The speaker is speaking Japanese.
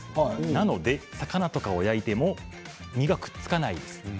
なので魚とかを焼いても身がくっつかないです。